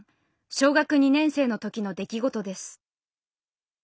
小学２年生の時の出来事です。